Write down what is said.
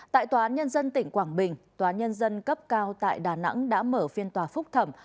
tại tòa án nhân dân tỉnh quảng bình tòa nhân dân cấp cao tại đà nẵng đã mở phiên tòa phúc thẩm